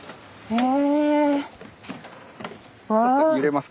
へえ。